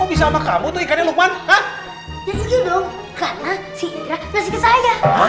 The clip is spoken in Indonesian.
kok bisa sama kamu tuh ikannya lukman hah